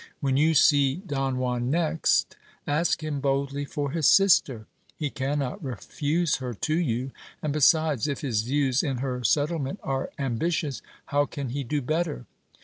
When you see Don Juan next, ask him boldly for his sister : he cannot refuse her to you ; and besides, if his views in her settle ment are ambitious, how can he do better?